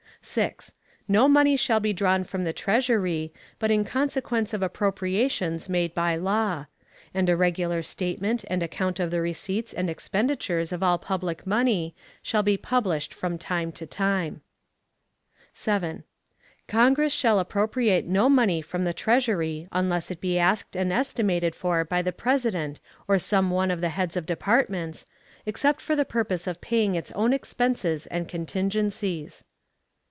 6. No money shall be drawn from the Treasury, but in consequence of appropriations made by law; and a regular statement and account of the receipts and expenditures of all public money shall be published from time to time. 7. Congress shall appropriate no money from the Treasury unless it be asked and estimated for by the President or some one of the heads of departments, except for the purpose of paying its own expenses and contingencies.